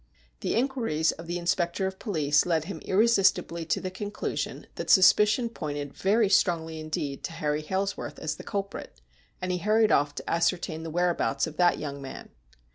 The inquiries of the inspector of police led him irresistibly to the conclusion that suspicion pointed very strongly indeed to Harry Hailsworth as the culprit, and he hurried off tc ascertain the whereabouts of that young man.